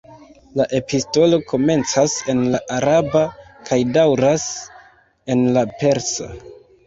La epistolo komencas en la araba kaj daŭras en la persa.